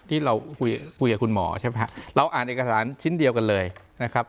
ที่เราคุยคุยกับคุณหมอใช่ไหมฮะเราอ่านเอกสารชิ้นเดียวกันเลยนะครับ